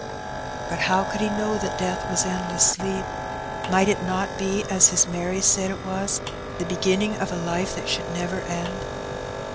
But how could he know that death was endless sleep? Might it not be, as his Mary said it was, the beginning of a life that should never end?